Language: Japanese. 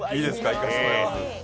いかせてもらいます。